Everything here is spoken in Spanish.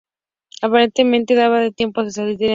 Aparentemente, databa de tiempos de Saladino.